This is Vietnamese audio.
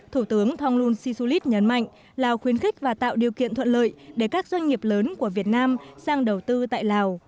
thủ tướng thông luân si su lít nhấn mạnh lào khuyến khích và tạo điều kiện thuận lợi để các doanh nghiệp lớn của việt nam sang đầu tư tại lào